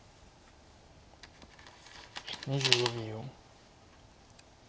２５秒。